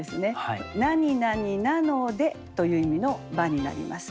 「なになになので」という意味の「ば」になります。